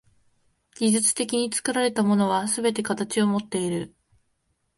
技術的に作られたものはすべて形をもっている。